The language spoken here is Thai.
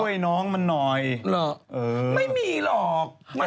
สวัสดีครับ